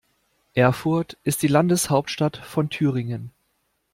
Erfurt ist die Landeshauptstadt von Thüringen.